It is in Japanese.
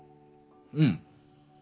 うん。